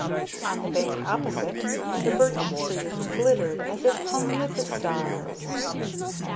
On the bank opposite, the birch trees glittered as if hung with the stars.